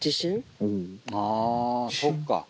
ああそっか。